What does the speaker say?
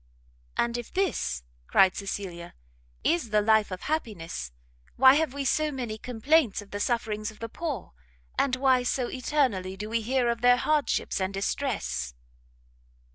"And if this," cried Cecilia, "is the life of happiness, why have we so many complaints of the sufferings of the poor, and why so eternally do we hear of their hardships and distress?"